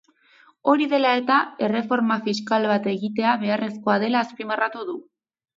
Hori dela eta, erreforma fiskal bat egitea beharrezkoa dela azpimarratu du.